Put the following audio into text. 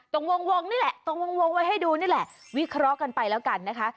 ตรงวงนี่แหละตรงวงไว้ให้ดูนี่แหละวิเคราะห์กันไปแล้วกันนะคะ